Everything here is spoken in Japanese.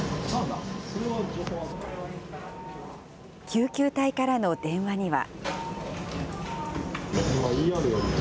救急隊からの電話には。